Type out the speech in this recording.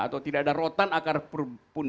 atau tidak ada rotan akar pun